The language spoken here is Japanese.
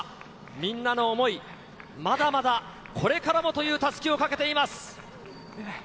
みんなの想い、まだまだこれからもというたすきをかけています。